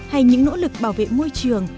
hay những nỗ lực bảo vệ môi trường